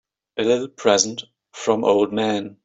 A little present from old man.